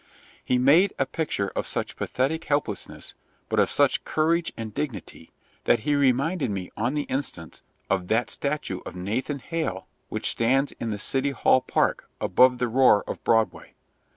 He made a picture of such pathetic helplessness, but of such courage and dignity, that he reminded me on the instant of that statue of Nathan Hale which stands in the City Hall Park, above the roar of Broadway.